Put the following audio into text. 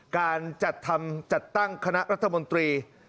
การจัดตั้งคณะรัฐมนตรี